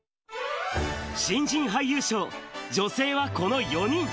新人俳優賞、女性はこの４人。